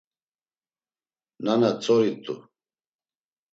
Nana tzori t̆u.